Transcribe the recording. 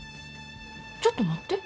ちょっと待って。